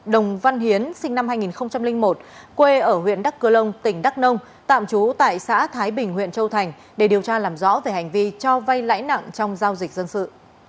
đồng văn hiến sinh năm hai nghìn một quê ở huyện đắc cơ long tỉnh đắk nông tạm trú tại xã thái bình huyện châu thành để điều tra làm rõ về hành vi cho vay lãi nặng trong giao dịch dân sự